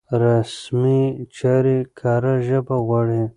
رسمي چارې کره ژبه غواړي.